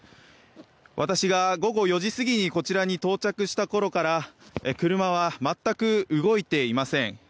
私が午後４時過ぎにこちらに到着したころから車は全く動いていません。